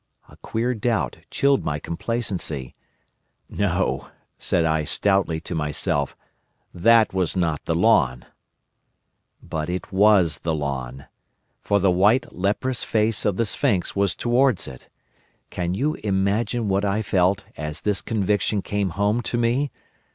A queer doubt chilled my complacency. 'No,' said I stoutly to myself, 'that was not the lawn.' "But it was the lawn. For the white leprous face of the sphinx was towards it. Can you imagine what I felt as this conviction came home to me?